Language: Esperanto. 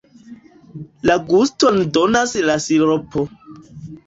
La guston donas la siropo.